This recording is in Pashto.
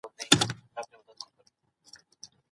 مشرانو جرګه قوانین څنګه ارزوي؟